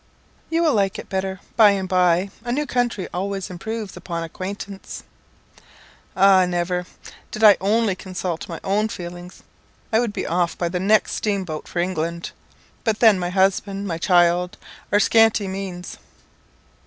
"You will like it better by and by; a new country always improves upon acquaintance." "Ah, never! Did I only consult my own feelings, I would be off by the next steam boat for England; but then my husband, my child, our scanty means.